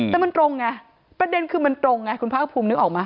แต่มันตรงไงประเด็นคือมันตรงไงคุณภาคภูมินึกออกไหม